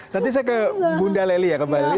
tadi saya ke bunda leli ya kembali